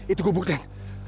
itu gubuk den